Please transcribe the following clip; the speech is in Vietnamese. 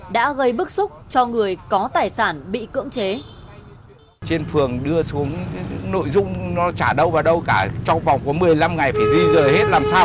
đã gây bức xúc cho người có thẩm quyền